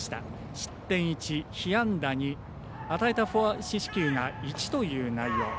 失点１、被安打２与えた四死球が１という内容。